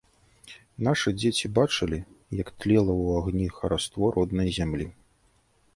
Нашы дзеці бачылі, як тлела ў агні хараство роднай зямлі.